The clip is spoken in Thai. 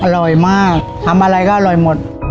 อร่อยมากทำอะไรก็อร่อยหมด